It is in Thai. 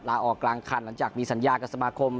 ลาออกกลางคันหลังจากมีสัญญากับสมาคม